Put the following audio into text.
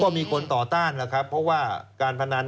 ก็มีคนต่อต้านแล้วครับเพราะว่าการพนัน